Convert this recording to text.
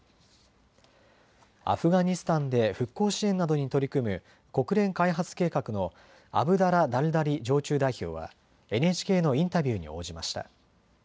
アフガニスタンで復興支援などに取り組む国連開発計画のアブダラ・ダルダリ常駐代表はＮＨＫのインタビューに応じました。